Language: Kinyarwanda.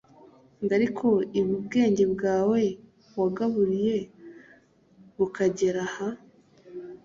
ngo ariko ibi ubwenge bwawe wagaburiye bukagera aha